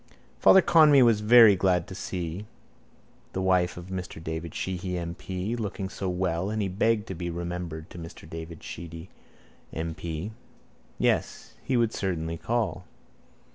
Father Conmee was very glad to see the wife of Mr David Sheehy M.P. Iooking so well and he begged to be remembered to Mr David Sheehy M.P. Yes, he would certainly call.